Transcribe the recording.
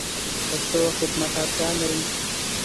پښتو خدمت ته اړتیا لری